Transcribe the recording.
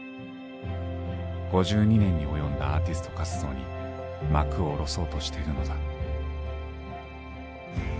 ５２年に及んだアーティスト活動に幕を下ろそうとしているのだ。